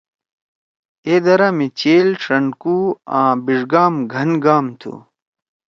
اے درہ می چیل، ݜنکُو آں بیݜگام گھن گام تُھو۔